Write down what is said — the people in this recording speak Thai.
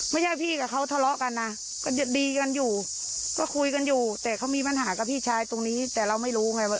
พี่กับเขาทะเลาะกันนะก็จะดีกันอยู่ก็คุยกันอยู่แต่เขามีปัญหากับพี่ชายตรงนี้แต่เราไม่รู้ไงว่า